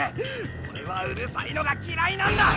オレはうるさいのが嫌いなんだ！